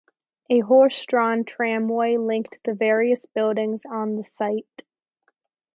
A horse-drawn tramway linked the various buildings on the site.